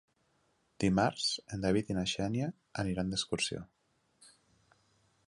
Dimarts en David i na Xènia aniran d'excursió.